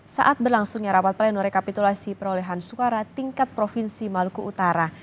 saat berlangsungnya rapat pleno rekapitulasi perolehan suara tingkat provinsi maluku utara